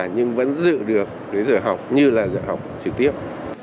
nhưng vẫn giữ được cái giờ học như là dạy học trực tiếp